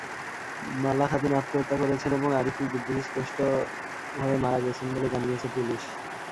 মালা খাতুন আত্মহত্যা করেছেন এবং আরিফুল বিদ্যুত্স্পৃষ্ট হয়ে মারা গেছেন বলে জানিয়েছে পুলিশ।